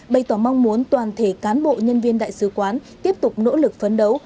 bày tỏ mong muốn toàn thể cán bộ nhân viên đại sứ quán tiếp tục nỗ lực phấn đấu